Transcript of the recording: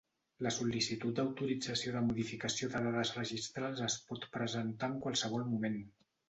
La sol·licitud d'autorització de modificació de dades registrals es pot presentar en qualsevol moment.